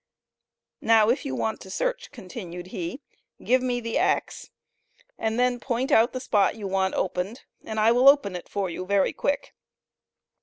"Now if you want to search," continued he, "give me the axe, and then point out the spot you want opened and I will open it for you very quick."